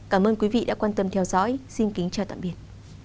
cảm ơn quý vị đã quan tâm theo dõi xin kính chào tạm biệt